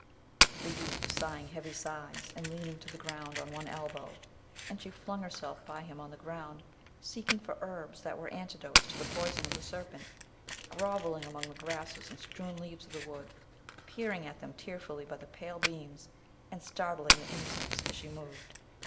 the youth was sighing heavy sighs and leaning to the ground on one elbow, and she flung herself by him on the ground, seeking for herbs that were antidotes to the poison of the serpent, grovelling among the grasses and strewn leaves of the wood, peering at them tearfully by the pale beams, and startling the insects as she moved.